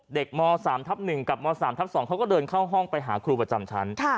ม๓ทับ๑กับม๓ทับ๒เขาก็เดินเข้าห้องไปหาครูประจำชั้น